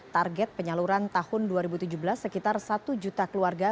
target penyaluran tahun dua ribu tujuh belas sekitar satu juta keluarga